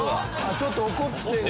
ちょっと怒ってる。